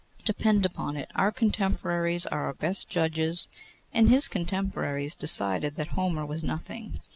Depend upon it, our contemporaries are our best judges, and his contemporaries decided that Homer was nothing.